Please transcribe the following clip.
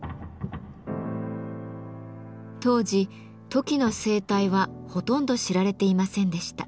当時トキの生態はほとんど知られていませんでした。